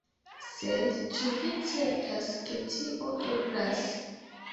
Sed ĉu vi certas ke tio eblas?